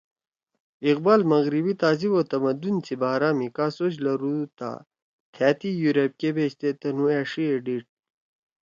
اقبال مغربی تہذیب او تمدن سی بارا می کا سوچ لرُودُودتا تھأ تی یورپ کے بیشتے تنُو أݜیِئے ڈیڑ